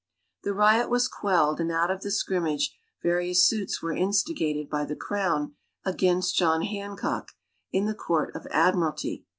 The riot was quelled, and out of the scrimmage various suits were instigated by the Crown against John Hancock, in the Court of Admiralty.